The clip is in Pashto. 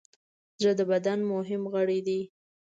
زړه د بدن مهم غړی دی.